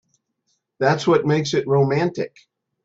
That's what makes it romantic.